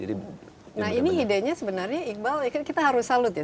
ini ide nya sebenarnya iqbal kita harus salut ya